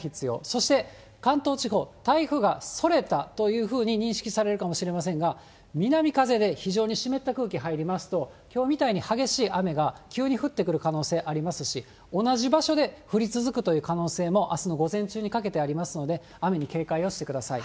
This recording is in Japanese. そして関東地方、台風がそれたというふうに認識されるかもしれませんが、南風で非常に湿った空気入りますと、きょうみたいに激しい雨が急に降ってくる可能性ありますし、同じ場所で、降り続くという可能性も、あすの午前中にかけてありますので、雨に警戒をしてください。